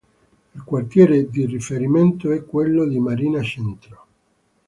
Il quartiere di riferimento è quello di Marina Centro.